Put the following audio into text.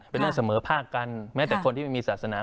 เป็นเรื่องเสมอภาคกันแม้แต่คนที่ไม่มีศาสนา